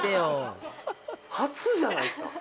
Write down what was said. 初じゃないですか？